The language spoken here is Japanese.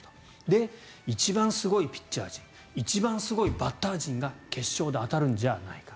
で、一番すごいピッチャー陣一番すごいバッター陣が決勝で当たるんじゃないか。